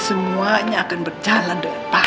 iya semuanya akan berjalan dengan baik